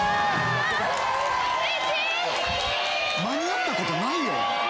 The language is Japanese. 間に合ったことないよ。